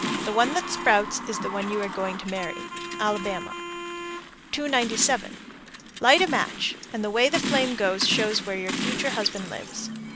The one that sprouts is the one you are going to marry. Alabama. 297. Light a match, and the way the flame goes shows where your future husband lives.